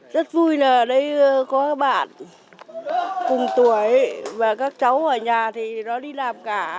rất vui là ở đây có các bạn cùng tuổi và các cháu ở nhà thì nó đi làm cả